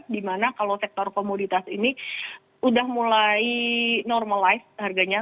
di mana kalau sektor komoditas ini sudah mulai normalized harganya